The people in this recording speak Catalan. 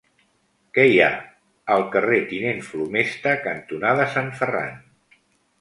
Què hi ha al carrer Tinent Flomesta cantonada Sant Ferran?